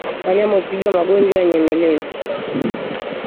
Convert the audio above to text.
Wanyama hutibiwa magonjwa nyemelezi